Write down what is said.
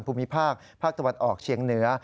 ภูมิภาคภาคตะวันออกเชียงเหนือ